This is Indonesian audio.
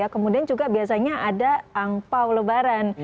kemudian juga biasanya ada angpao lebaran